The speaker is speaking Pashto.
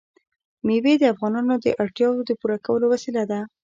مېوې د افغانانو د اړتیاوو د پوره کولو وسیله ده.